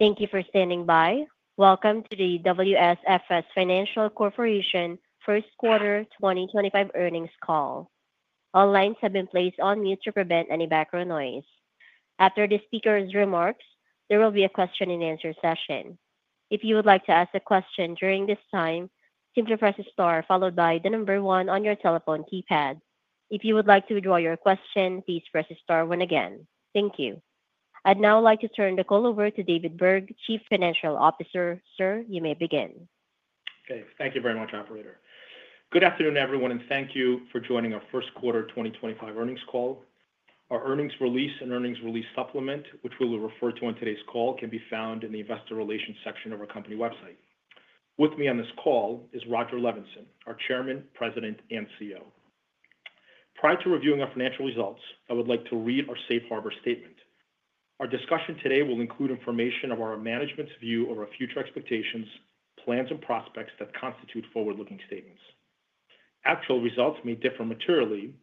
Thank you for standing by. Welcome to the WSFS Financial Corporation First Quarter 2025 Earnings Call. All lines have been placed on mute to prevent any background noise. After the speaker's remarks, there will be a question-and-answer session. If you would like to ask a question during this time, simply press star followed by the number one on your telephone keypad. If you would like to withdraw your question, please press star one again. Thank you. I'd now like to turn the call over to David Burg, Chief Financial Officer. Sir, you may begin. Okay. Thank you very much, Operator. Good afternoon, everyone, and thank you for joining our First Quarter 2025 earnings call. Our earnings release and earnings release supplement, which we will refer to on today's call, can be found in the Investor Relations section of our company website. With me on this call is Rodger Levenson, our Chairman, President, and CEO. Prior to reviewing our financial results, I would like to read our Safe Harbor Statement. Our discussion today will include information of our management's view of our future expectations, plans, and prospects that constitute forward-looking statements. Actual results may differ materially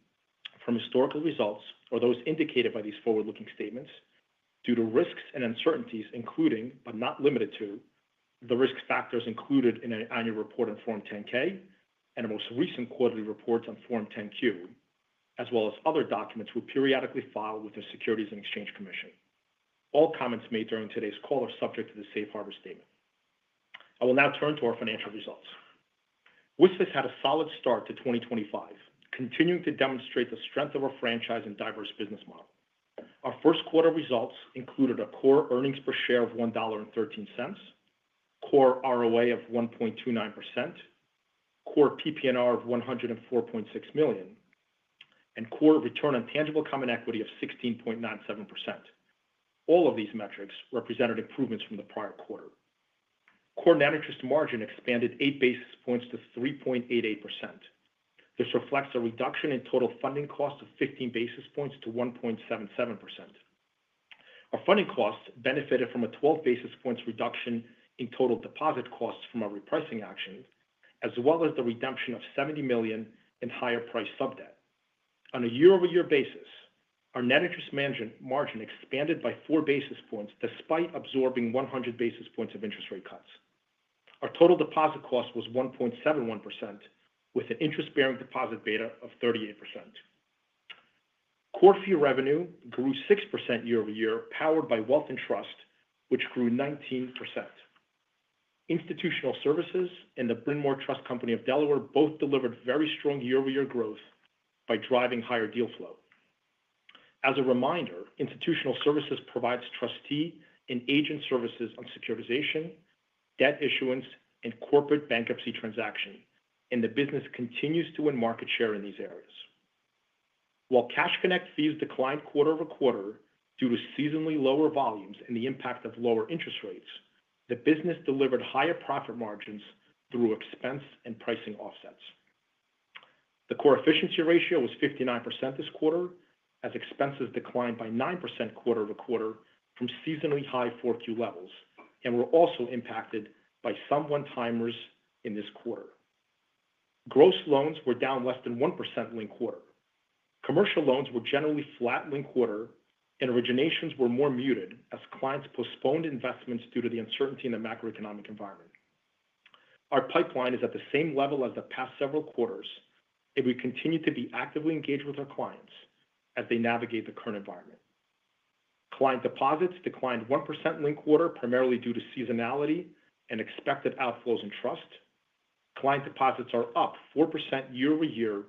from historical results or those indicated by these forward-looking statements due to risks and uncertainties, including, but not limited to, the risk factors included in an annual report on Form 10-K and the most recent quarterly reports on Form 10-Q, as well as other documents we periodically file with the Securities and Exchange Commission. All comments made during today's call are subject to the Safe Harbor Statement. I will now turn to our financial results. WSFS had a solid start to 2024, continuing to demonstrate the strength of our franchise and diverse business model. Our first quarter results included a core earnings per share of $1.13, core ROA of 1.29%, core PP&R of $104.6 million, and core return on tangible common equity of 16.97%. All of these metrics represented improvements from the prior quarter. Core net interest margin expanded eight basis points to 3.88%. This reflects a reduction in total funding costs of 15 basis points to 1.77%. Our funding costs benefited from a 12 basis points reduction in total deposit costs from our repricing action, as well as the redemption of $70 million in higher-priced sub-debt. On a year-over-year basis, our net interest margin expanded by four basis points despite absorbing 100 basis points of interest rate cuts. Our total deposit cost was 1.71%, with an interest-bearing deposit beta of 38%. Core fee revenue grew 6% year-over-year, powered by Wealth and Trust, which grew 19%. Institutional Services and The Bryn Mawr Trust Company of Delaware both delivered very strong year-over-year growth by driving higher deal flow. As a reminder, Institutional Services provides trustee and agent services on securitization, debt issuance, and corporate bankruptcy transactions, and the business continues to win market share in these areas. While Cash Connect fees declined quarter-over-quarter due to seasonally lower volumes and the impact of lower interest rates, the business delivered higher profit margins through expense and pricing offsets. The core efficiency ratio was 59% this quarter, as expenses declined by 9% quarter-over-quarter from seasonally high 4Q levels and were also impacted by some one-timers in this quarter. Gross loans were down less than 1% late quarter. Commercial loans were generally flat late quarter, and originations were more muted as clients postponed investments due to the uncertainty in the macroeconomic environment. Our pipeline is at the same level as the past several quarters if we continue to be actively engaged with our clients as they navigate the current environment. Client deposits declined 1% late quarter, primarily due to seasonality and expected outflows in trust. Client deposits are up 4% year-over-year,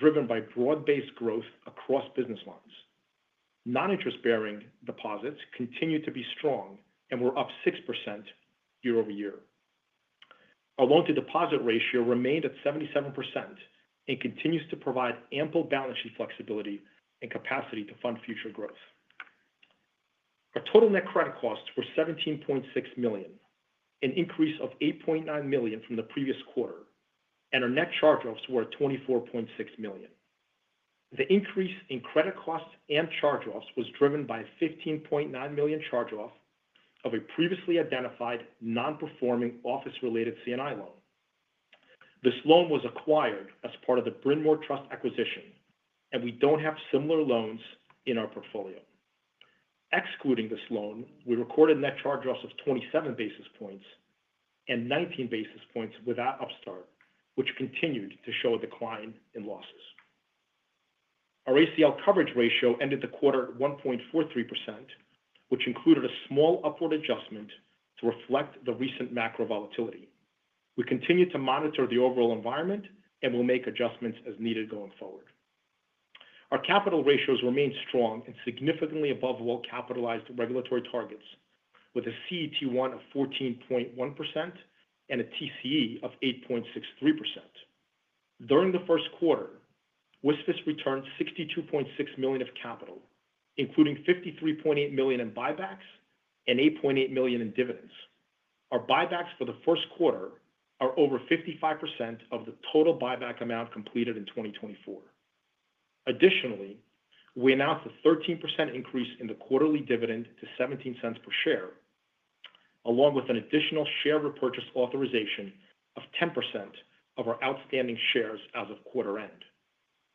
driven by broad-based growth across business lines. Non-interest-bearing deposits continue to be strong and were up 6% year-over-year. Our loan-to-deposit ratio remained at 77% and continues to provide ample balance sheet flexibility and capacity to fund future growth. Our total net credit costs were $17.6 million, an increase of $8.9 million from the previous quarter, and our net charge-offs were at $24.6 million. The increase in credit costs and charge-offs was driven by a $15.9 million charge-off of a previously identified non-performing office-related C&I loan. This loan was acquired as part of the Bryn Mawr Trust acquisition, and we do not have similar loans in our portfolio. Excluding this loan, we recorded net charge-offs of 27 basis points and 19 basis points without Upstart, which continued to show a decline in losses. Our ACL coverage ratio ended the quarter at 1.43%, which included a small upward adjustment to reflect the recent macro volatility. We continue to monitor the overall environment and will make adjustments as needed going forward. Our capital ratios remain strong and significantly above well-capitalized regulatory targets, with a CET1 of 14.1% and a TCE of 8.63%. During the first quarter, WSFS returned $62.6 million of capital, including $53.8 million in buybacks and $8.8 million in dividends. Our buybacks for the first quarter are over 55% of the total buyback amount completed in 2024. Additionally, we announced a 13% increase in the quarterly dividend to $0.17 per share, along with an additional share repurchase authorization of 10% of our outstanding shares as of quarter end.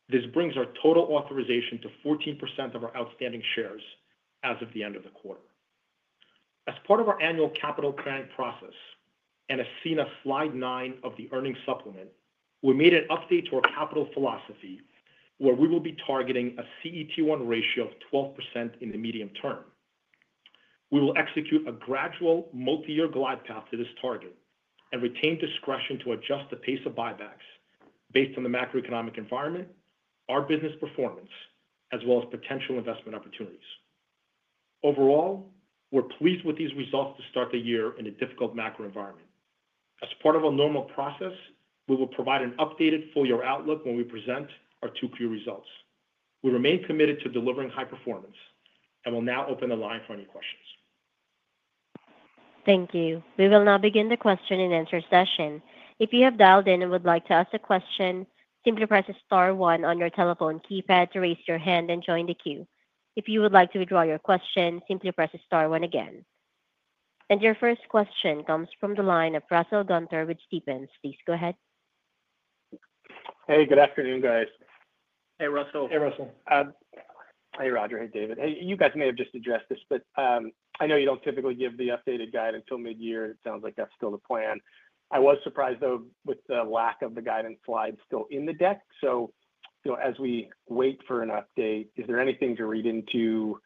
This brings our total authorization to 14% of our outstanding shares as of the end of the quarter. As part of our annual capital planning process and as seen on slide nine of the earnings supplement, we made an update to our capital philosophy, where we will be targeting a CET1 ratio of 12% in the medium term. We will execute a gradual multi-year glide path to this target and retain discretion to adjust the pace of buybacks based on the macroeconomic environment, our business performance, as well as potential investment opportunities. Overall, we're pleased with these results to start the year in a difficult macro environment. As part of our normal process, we will provide an updated full-year outlook when we present our two-year results. We remain committed to delivering high performance and will now open the line for any questions. Thank you. We will now begin the question-and-answer session. If you have dialed in and would like to ask a question, simply press star one on your telephone keypad to raise your hand and join the queue. If you would like to withdraw your question, simply press star one again. Your first question comes from the line of Russell Gunther with Stephens. Please go ahead. Hey, good afternoon, guys. Hey, Russell. Hey, Russell. Hey, Rodger. Hey, David. Hey, you guys may have just addressed this, but I know you don't typically give the updated guidance till mid-year. It sounds like that's still the plan. I was surprised, though, with the lack of the guidance slide still in the deck. As we wait for an update, is there anything to read into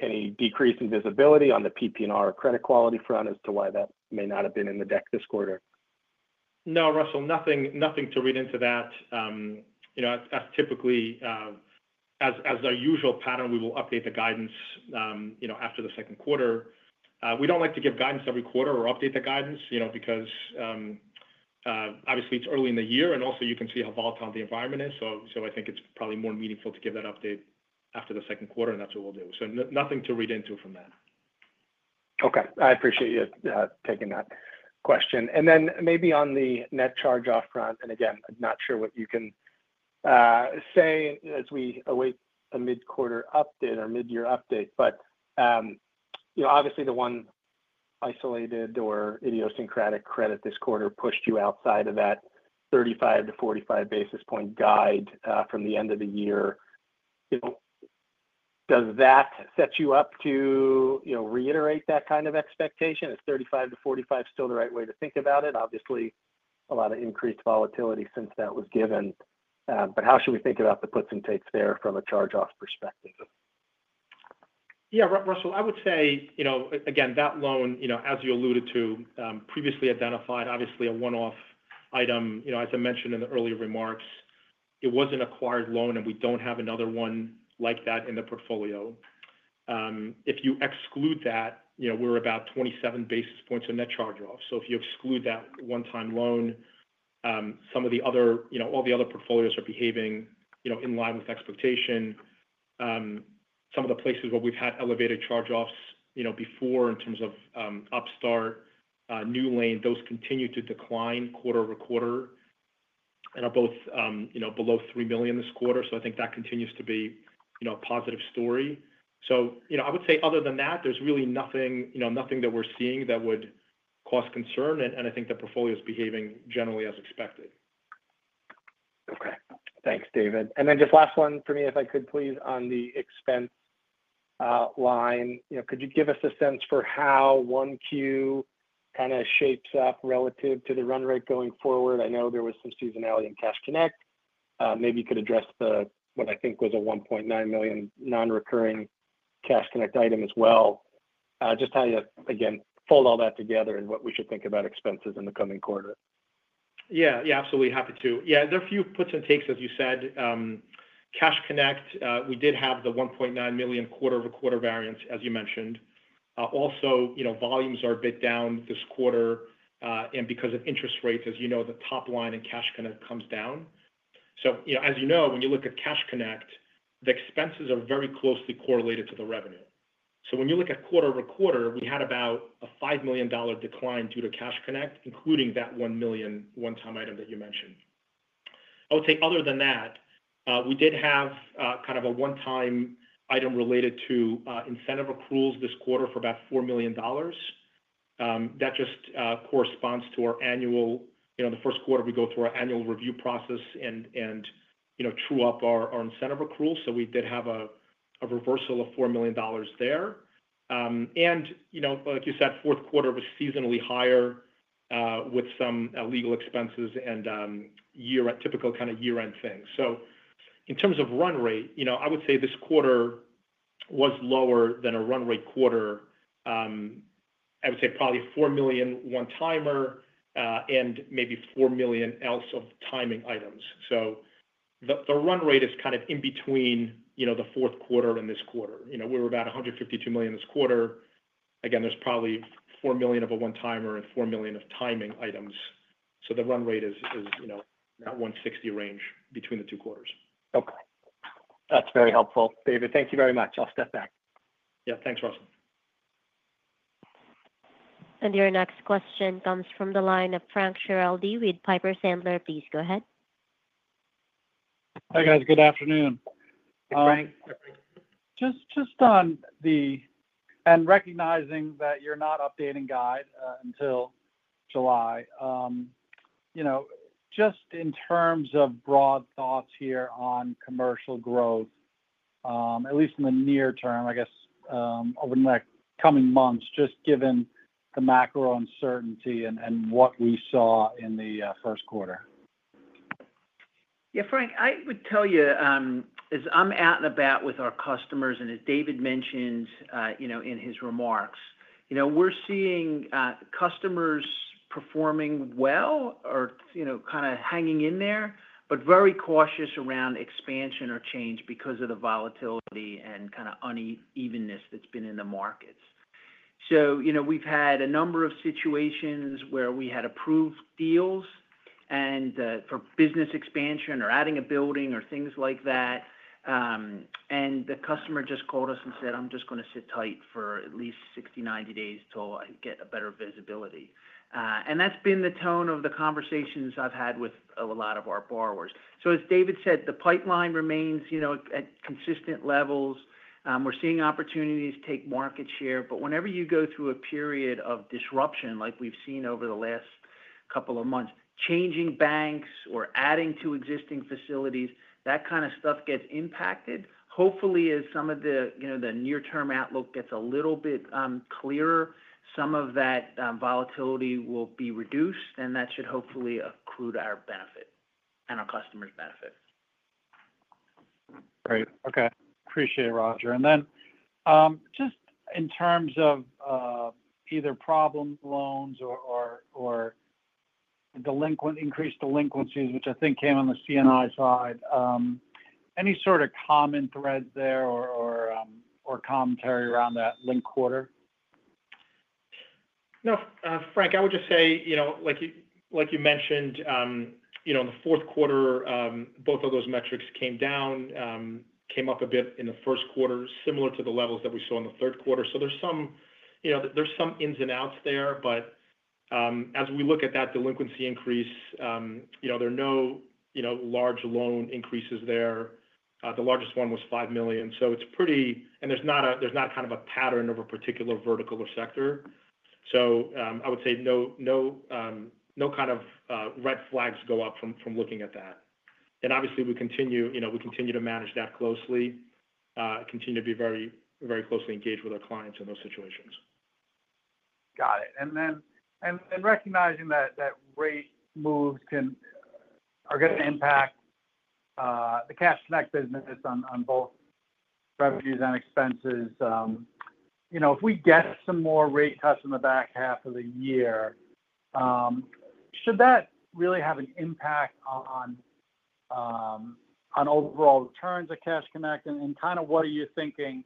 any decrease in visibility on the PP&R credit quality front as to why that may not have been in the deck this quarter? No, Russell, nothing to read into that. As typically, as our usual pattern, we will update the guidance after the second quarter. We do not like to give guidance every quarter or update the guidance because, obviously, it is early in the year, and also, you can see how volatile the environment is. I think it is probably more meaningful to give that update after the second quarter, and that is what we will do. Nothing to read into it from that. Okay. I appreciate you taking that question. Maybe on the net charge-off front, and again, I'm not sure what you can say as we await a mid-quarter update or mid-year update, but obviously, the one isolated or idiosyncratic credit this quarter pushed you outside of that 35-45 basis point guide from the end of the year. Does that set you up to reiterate that kind of expectation? Is 35-45 still the right way to think about it? Obviously, a lot of increased volatility since that was given. How should we think about the puts and takes there from a charge-off perspective? Yeah, Russell, I would say, again, that loan, as you alluded to, previously identified, obviously, a one-off item. As I mentioned in the earlier remarks, it was an acquired loan, and we don't have another one like that in the portfolio. If you exclude that, we're about 27 basis points of net charge-off. If you exclude that one-time loan, some of the other—all the other portfolios are behaving in line with expectation. Some of the places where we've had elevated charge-offs before in terms of Upstart, NewLane, those continue to decline quarter-over-quarter and are both below $3 million this quarter. I think that continues to be a positive story. I would say, other than that, there's really nothing that we're seeing that would cause concern, and I think the portfolio is behaving generally as expected. Okay. Thanks, David. Just last one for me, if I could please, on the expense line. Could you give us a sense for how 1Q kind of shapes up relative to the run rate going forward? I know there was some seasonality in Cash Connect. Maybe you could address what I think was a $1.9 million non-recurring Cash Connect item as well. Just how you, again, fold all that together and what we should think about expenses in the coming quarter. Yeah. Yeah, absolutely happy to. Yeah, there are a few puts and takes, as you said. Cash Connect, we did have the $1.9 million quarter-over-quarter variance, as you mentioned. Also, volumes are a bit down this quarter. And because of interest rates, as you know, the top line in Cash Connect comes down. As you know, when you look at Cash Connect, the expenses are very closely correlated to the revenue. When you look at quarter-over-quarter, we had about a $5 million decline due to Cash Connect, including that $1 million one-time item that you mentioned. I would say, other than that, we did have kind of a one-time item related to incentive accruals this quarter for about $4 million. That just corresponds to our annual—the first quarter, we go through our annual review process and true up our incentive accruals. We did have a reversal of $4 million there. Like you said, fourth quarter was seasonally higher with some legal expenses and typical kind of year-end things. In terms of run rate, I would say this quarter was lower than a run rate quarter. I would say probably $4 million one-timer and maybe $4 million else of timing items. The run rate is kind of in between the fourth quarter and this quarter. We were about $152 million this quarter. Again, there is probably $4 million of a one-timer and $4 million of timing items. The run rate is that $160 million range between the two quarters. Okay. That's very helpful. David, thank you very much. I'll step back. Yeah. Thanks, Russell. Your next question comes from the line of Frank Schiraldi with Piper Sandler. Please go ahead. Hi, guys. Good afternoon. Hi, Frank. Just on the—and recognizing that you're not updating guide until July, just in terms of broad thoughts here on commercial growth, at least in the near term, I guess, over the next coming months, just given the macro uncertainty and what we saw in the first quarter. Yeah, Frank, I would tell you, as I'm out and about with our customers, and as David mentioned in his remarks, we're seeing customers performing well or kind of hanging in there, but very cautious around expansion or change because of the volatility and kind of unevenness that's been in the markets. We've had a number of situations where we had approved deals for business expansion or adding a building or things like that. The customer just called us and said, "I'm just going to sit tight for at least 60-90 days till I get a better visibility." That's been the tone of the conversations I've had with a lot of our borrowers. As David said, the pipeline remains at consistent levels. We're seeing opportunities take market share. Whenever you go through a period of disruption, like we've seen over the last couple of months, changing banks or adding to existing facilities, that kind of stuff gets impacted. Hopefully, as some of the near-term outlook gets a little bit clearer, some of that volatility will be reduced, and that should hopefully accrue to our benefit and our customers' benefit. Great. Okay. Appreciate it, Rodger. In terms of either problem loans or increased delinquencies, which I think came on the C&I side, any sort of common thread there or commentary around that link quarter? No, Frank. I would just say, like you mentioned, in the fourth quarter, both of those metrics came down, came up a bit in the first quarter, similar to the levels that we saw in the third quarter. There are some ins and outs there. As we look at that delinquency increase, there are no large loan increases there. The largest one was $5 million. There is not a kind of a pattern of a particular vertical or sector. I would say no kind of red flags go up from looking at that. Obviously, we continue to manage that closely, continue to be very closely engaged with our clients in those situations. Got it. Recognizing that rate moves are going to impact the Cash Connect business on both revenues and expenses, if we get some more rate cuts in the back half of the year, should that really have an impact on overall returns of Cash Connect? What are you thinking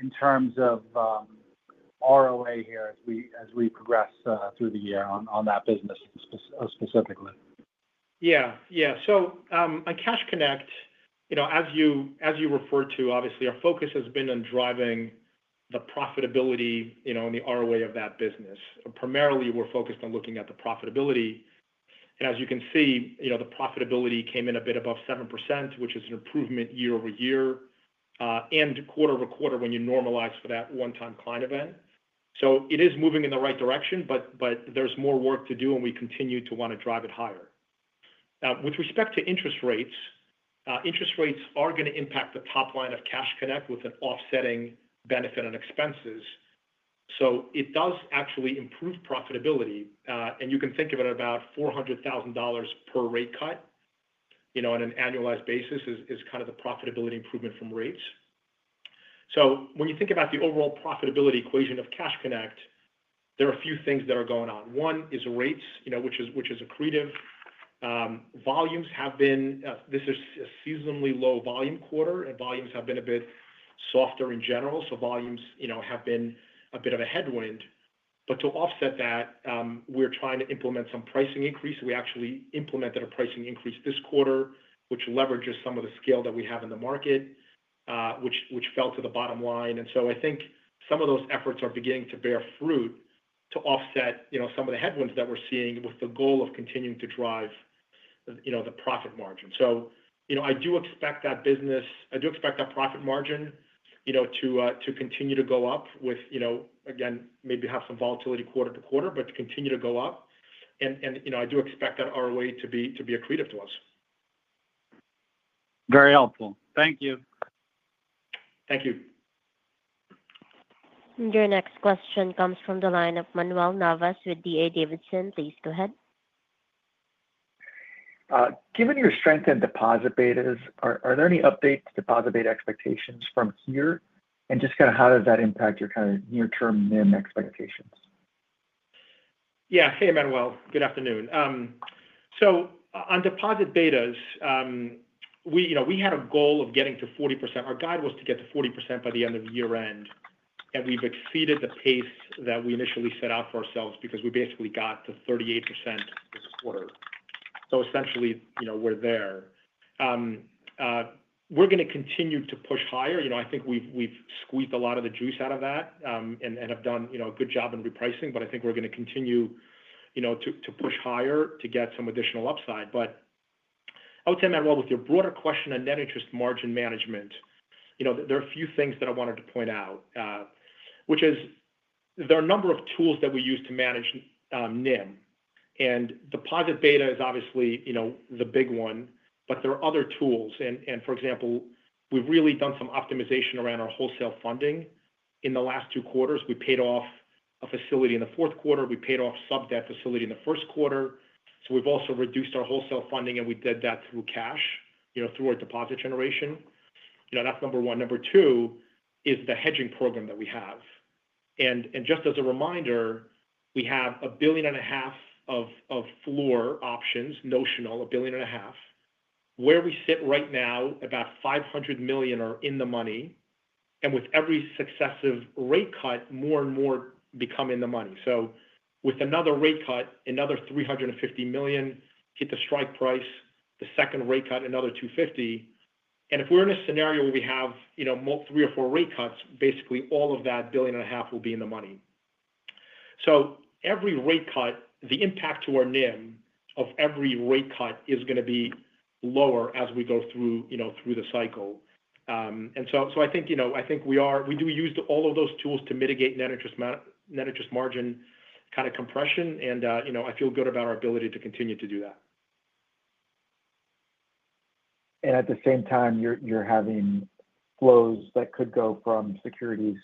in terms of ROA here as we progress through the year on that business specifically? Yeah. Yeah. On Cash Connect, as you referred to, obviously, our focus has been on driving the profitability and the ROA of that business. Primarily, we're focused on looking at the profitability. As you can see, the profitability came in a bit above 7%, which is an improvement year-over-year and quarter-over-quarter when you normalize for that one-time client event. It is moving in the right direction, but there's more work to do, and we continue to want to drive it higher. With respect to interest rates, interest rates are going to impact the top line of Cash Connect with an offsetting benefit on expenses. It does actually improve profitability. You can think of it, about $400,000 per rate cut on an annualized basis is kind of the profitability improvement from rates. When you think about the overall profitability equation of Cash Connect, there are a few things that are going on. One is rates, which is accretive. Volumes have been—this is a seasonally low volume quarter, and volumes have been a bit softer in general. Volumes have been a bit of a headwind. To offset that, we're trying to implement some pricing increase. We actually implemented a pricing increase this quarter, which leverages some of the scale that we have in the market, which fell to the bottom line. I think some of those efforts are beginning to bear fruit to offset some of the headwinds that we're seeing with the goal of continuing to drive the profit margin. I do expect that profit margin to continue to go up with, again, maybe have some volatility quarter to quarter, but continue to go up. I do expect that ROA to be accretive to us. Very helpful. Thank you. Thank you. Your next question comes from the line of Manuel Navas with D.A. Davidson. Please go ahead. Given your strength in deposit betas, are there any updates to deposit beta expectations from here? Just kind of how does that impact your kind of near-term NIM expectations? Yeah. Hey, Manuel. Good afternoon. On deposit betas, we had a goal of getting to 40%. Our guide was to get to 40% by the end of year-end. We've exceeded the pace that we initially set out for ourselves because we basically got to 38% this quarter. Essentially, we're there. We're going to continue to push higher. I think we've squeezed a lot of the juice out of that and have done a good job in repricing. I think we're going to continue to push higher to get some additional upside. I would say, Manuel, with your broader question on net interest margin management, there are a few things that I wanted to point out, which is there are a number of tools that we use to manage NIM. Deposit beta is obviously the big one, but there are other tools. For example, we've really done some optimization around our wholesale funding. In the last two quarters, we paid off a facility in the fourth quarter. We paid off sub-debt facility in the first quarter. We have also reduced our wholesale funding, and we did that through cash, through our deposit generation. That's number one. Number two is the hedging program that we have. Just as a reminder, we have $1.5 billion of floor options, notional, $1.5 billion. Where we sit right now, about $500 million are in the money. With every successive rate cut, more and more become in the money. With another rate cut, another $350 million hit the strike price. The second rate cut, another $250 million. If we're in a scenario where we have three or four rate cuts, basically all of that $1.5 billion will be in the money. Every rate cut, the impact to our NIM of every rate cut is going to be lower as we go through the cycle. I think we do use all of those tools to mitigate net interest margin kind of compression. I feel good about our ability to continue to do that. At the same time, you're having flows that could go from securities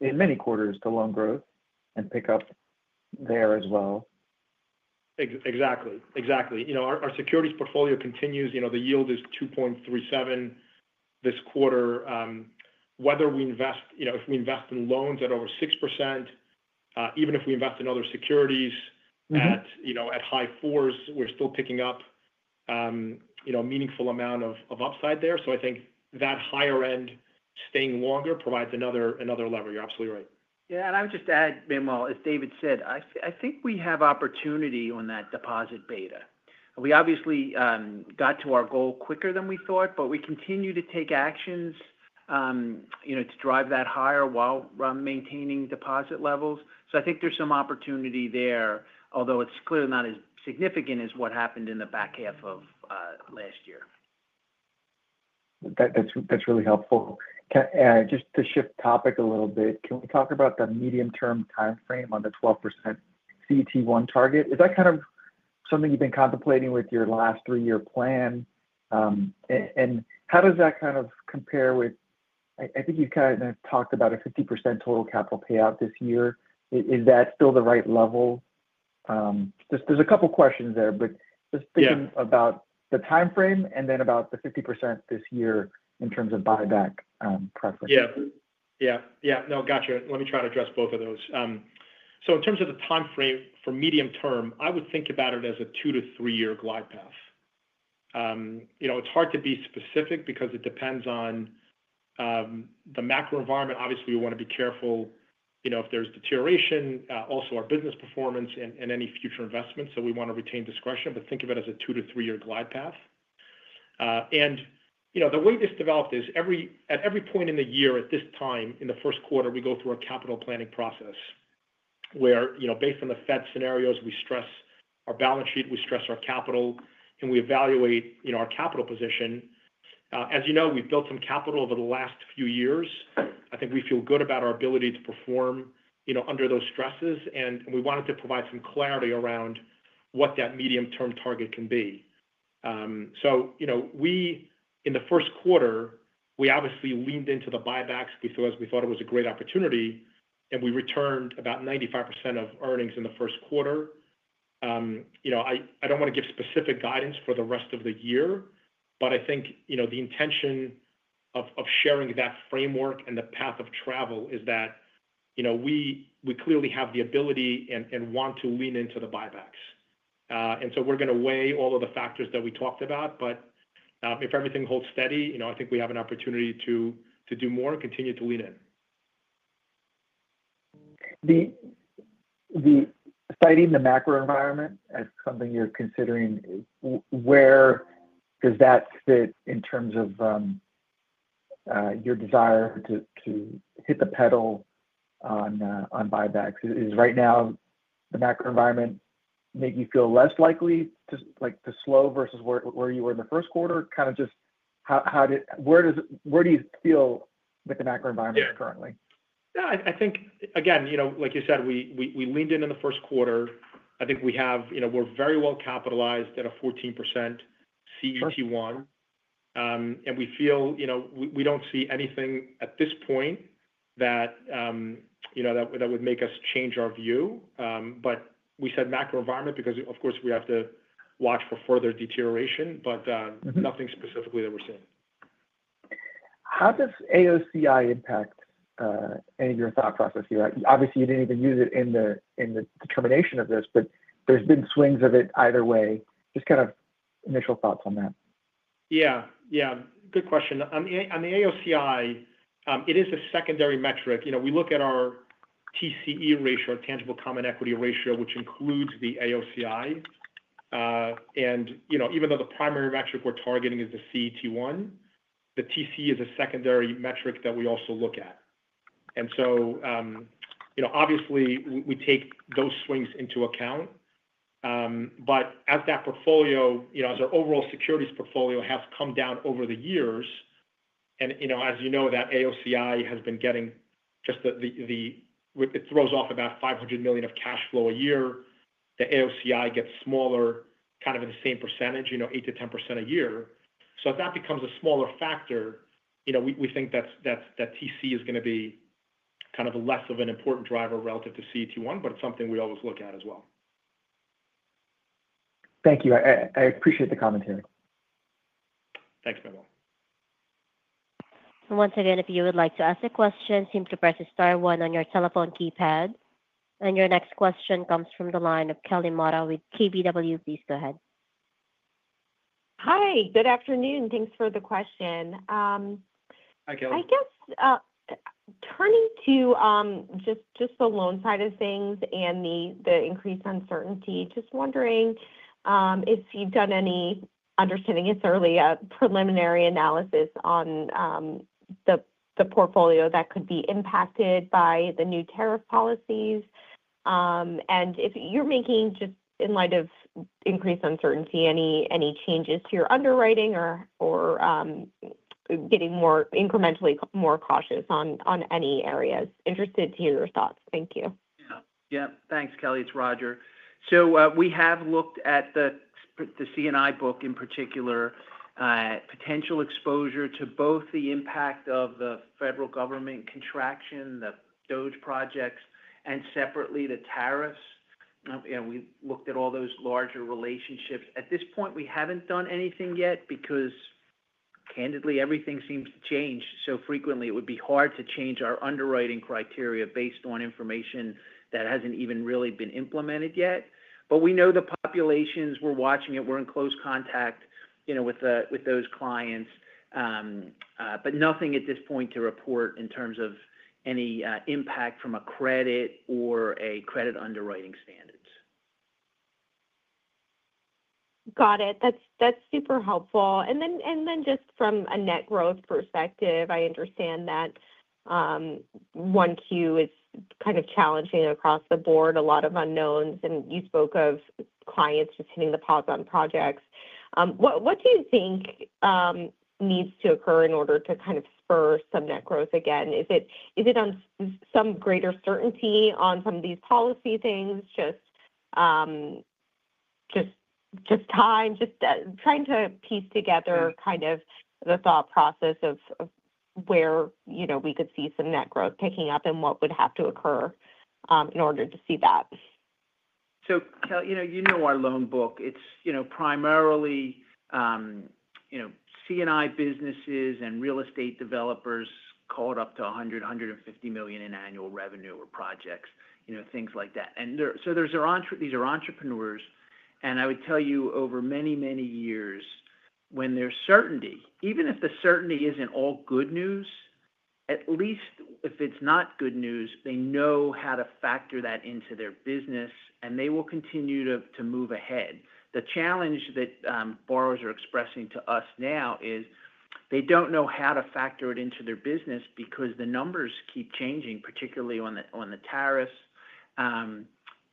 in many quarters to loan growth and pick up there as well. Exactly. Exactly. Our securities portfolio continues. The yield is 2.37 this quarter. Whether we invest—if we invest in loans at over 6%, even if we invest in other securities at high fours, we're still picking up a meaningful amount of upside there. I think that higher end staying longer provides another lever. You're absolutely right. Yeah. I would just add, Manuel, as David said, I think we have opportunity on that deposit beta. We obviously got to our goal quicker than we thought, but we continue to take actions to drive that higher while maintaining deposit levels. I think there's some opportunity there, although it's clearly not as significant as what happened in the back half of last year. That's really helpful. Just to shift topic a little bit, can we talk about the medium-term timeframe on the 12% CET1 target? Is that kind of something you've been contemplating with your last three-year plan? How does that kind of compare with—I think you've kind of talked about a 50% total capital payout this year. Is that still the right level? There's a couple of questions there, but just thinking about the timeframe and then about the 50% this year in terms of buyback preferences. Yeah. Yeah. Yeah. No, gotcha. Let me try to address both of those. In terms of the timeframe for medium term, I would think about it as a two to three-year glide path. It's hard to be specific because it depends on the macro environment. Obviously, we want to be careful if there's deterioration, also our business performance, and any future investments. We want to retain discretion, but think of it as a two to three-year glide path. The way this developed is, at every point in the year at this time, in the first quarter, we go through a capital planning process where, based on the Fed scenarios, we stress our balance sheet, we stress our capital, and we evaluate our capital position. As you know, we've built some capital over the last few years. I think we feel good about our ability to perform under those stresses. We wanted to provide some clarity around what that medium-term target can be. In the first quarter, we obviously leaned into the buybacks because we thought it was a great opportunity, and we returned about 95% of earnings in the first quarter. I do not want to give specific guidance for the rest of the year, but I think the intention of sharing that framework and the path of travel is that we clearly have the ability and want to lean into the buybacks. We are going to weigh all of the factors that we talked about. If everything holds steady, I think we have an opportunity to do more and continue to lean in. Citing the macro environment as something you're considering, where does that fit in terms of your desire to hit the pedal on buybacks? Is right now the macro environment making you feel less likely to slow versus where you were in the first quarter? Kind of just where do you feel with the macro environment currently? Yeah. I think, again, like you said, we leaned in in the first quarter. I think we have—we're very well capitalized at a 14% CET1. And we feel we don't see anything at this point that would make us change our view. We said macro environment because, of course, we have to watch for further deterioration, but nothing specifically that we're seeing. How does AOCI impact any of your thought process here? Obviously, you didn't even use it in the determination of this, but there's been swings of it either way. Just kind of initial thoughts on that. Yeah. Yeah. Good question. On the AOCI, it is a secondary metric. We look at our TCE ratio, our tangible common equity ratio, which includes the AOCI. Even though the primary metric we're targeting is the CET1, the TCE is a secondary metric that we also look at. Obviously, we take those swings into account. As that portfolio, as our overall securities portfolio has come down over the years, and as you know, that AOCI has been getting just the—it throws off about $500 million of cash flow a year. The AOCI gets smaller kind of at the same percentage, 8%-10% a year. If that becomes a smaller factor, we think that TCE is going to be kind of less of an important driver relative to CET1, but it is something we always look at as well. Thank you. I appreciate the commentary. Thanks, Manuel. If you would like to ask a question, please press star one on your telephone keypad. Your next question comes from the line of Kelly Motta with KBW. Please go ahead. Hi. Good afternoon. Thanks for the question. Hi, Kelly. I guess turning to just the loan side of things and the increased uncertainty, just wondering if you've done any—I understand it's early—a preliminary analysis on the portfolio that could be impacted by the new tariff policies. If you're making, just in light of increased uncertainty, any changes to your underwriting or getting incrementally more cautious on any areas. Interested to hear your thoughts. Thank you. Yeah. Yeah. Thanks, Kelly. It's Rodger. We have looked at the C&I book in particular, potential exposure to both the impact of the federal government contraction, the DOGE projects, and separately the tariffs. We looked at all those larger relationships. At this point, we haven't done anything yet because, candidly, everything seems to change so frequently. It would be hard to change our underwriting criteria based on information that hasn't even really been implemented yet. We know the populations. We're watching it. We're in close contact with those clients. Nothing at this point to report in terms of any impact from a credit or a credit underwriting standards. Got it. That's super helpful. Just from a net growth perspective, I understand that 1Q is kind of challenging across the board, a lot of unknowns. You spoke of clients just hitting the pause on projects. What do you think needs to occur in order to kind of spur some net growth again? Is it some greater certainty on some of these policy things, just time, just trying to piece together kind of the thought process of where we could see some net growth picking up and what would have to occur in order to see that? Kelly, you know our loan book. It's primarily C&I businesses and real estate developers called up to $100 million-$150 million in annual revenue or projects, things like that. These are entrepreneurs. I would tell you, over many, many years, when there's certainty, even if the certainty isn't all good news, at least if it's not good news, they know how to factor that into their business, and they will continue to move ahead. The challenge that borrowers are expressing to us now is they don't know how to factor it into their business because the numbers keep changing, particularly on the tariffs.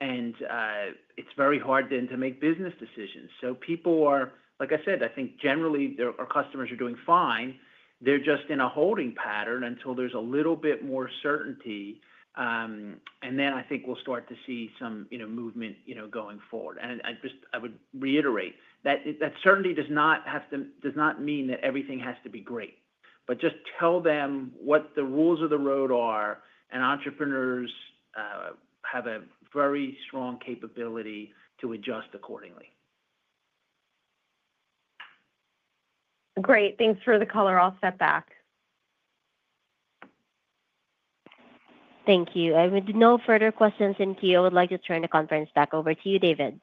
It's very hard then to make business decisions. People are, like I said, I think generally our customers are doing fine. They're just in a holding pattern until there's a little bit more certainty. I think we'll start to see some movement going forward. I would reiterate that certainty does not mean that everything has to be great. Just tell them what the rules of the road are, and entrepreneurs have a very strong capability to adjust accordingly. Great. Thanks for the call. I'll step back. Thank you. If we have no further questions in queue, I would like to turn the conference back over to you, David.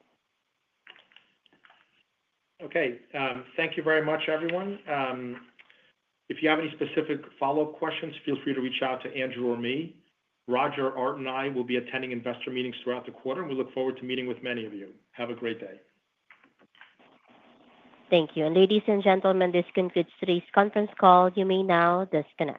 Okay. Thank you very much, everyone. If you have any specific follow-up questions, feel free to reach out to Andrew or me. Rodger, Art, and I will be attending investor meetings throughout the quarter, and we look forward to meeting with many of you. Have a great day. Thank you. Ladies and gentlemen, this concludes today's conference call. You may now disconnect.